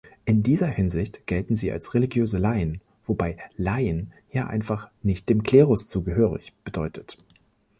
In dieser Hinsicht gelten sie als „religiöse Laien“, wobei „Laien“ hier einfach „nicht dem Klerus zugehörig“ bedeutet.